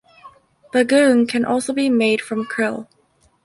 Bagoong can also be made from krill.